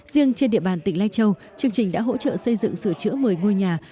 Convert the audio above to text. riêng trên địa bàn tỉnh lai châu chương trình đã hỗ trợ xây dựng sửa chữa một mươi ngôi nhà